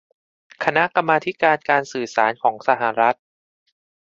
คณะกรรมาธิการการสื่อสารของสหรัฐ